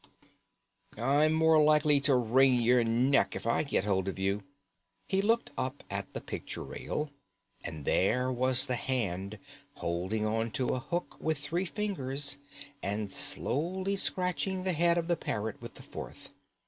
"I'm more likely to wring your neck if I get hold of you." He looked up at the picture rail, and there was the hand holding on to a hook with three fingers, and slowly scratching the head of the parrot with the fourth.